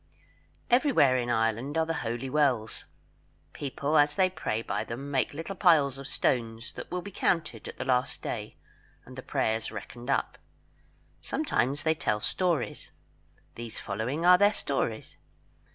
Everywhere in Ireland are the holy wells. People as they pray by them make little piles of stones, that will be counted at the last day and the prayers reckoned up. Sometimes they tell stories. These following are their stories.